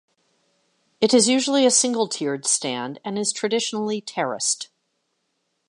It is usually a single-tiered stand and is traditionally terraced.